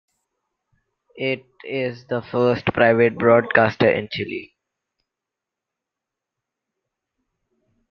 It is the first private broadcaster in Chile.